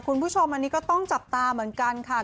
คุณผู้ชมอันนี้ก็ต้องจับตาเหมือนกันค่ะ